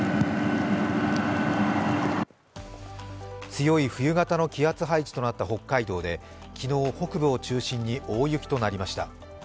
強い冬型の気圧配置となった北海道で昨日、北部を中心に大雪となりました。